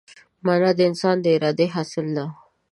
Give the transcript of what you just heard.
مانا د انسان د ارادې حاصل ده.